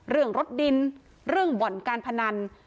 เรื่องรถดินเรื่องบ่อนการพนัน